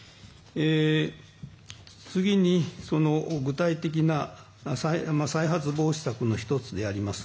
次に具体的な再発防止策の１つであります